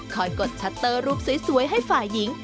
กดชัตเตอร์รูปสวยให้ฝ่ายหญิง